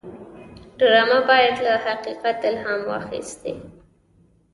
ډرامه باید له حقیقت الهام اخیستې وي